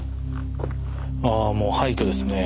あもう廃虚ですね。